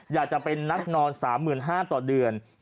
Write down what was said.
อยากจะเป็นนักนอน๓๕๐๐ต่อเดือน